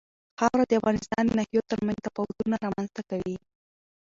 خاوره د افغانستان د ناحیو ترمنځ تفاوتونه رامنځ ته کوي.